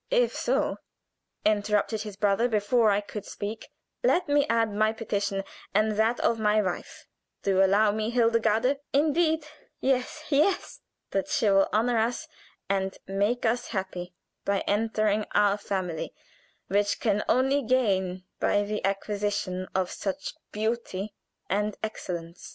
"If so," interrupted his brother before I could speak, "let me add my petition and that of my wife do you allow me, Hildegarde?" "Indeed, yes, yes!" "That she will honor us and make us happy by entering our family, which can only gain by the acquisition of such beauty and excellence."